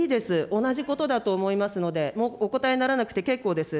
同じことだと思いますので、もうお答えにならなくて結構です。